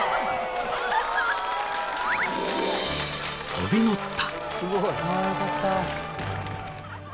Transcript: ［飛び乗った］